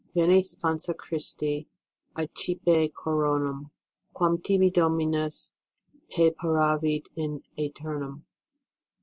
Yeni, Sponsa Christ! I accipc coronam, quam tibi Dominus pneparavit in a?ternum.